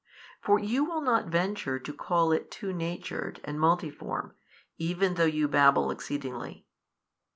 For you will not venture to call it two natured and |530 multiform, even though you babble exceedingly.